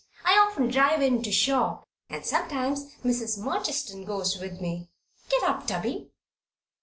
I often drive in to shop, and sometimes Mrs. Murchiston goes with me. Get up, Tubby!"